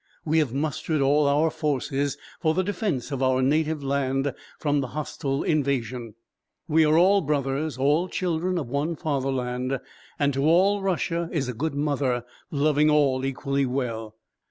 We have mustered all our forces for the defence of our native land from the hostile invasion. We are all brothers, all children of one fatherland, and to all Russia is a good mother loving all equally well.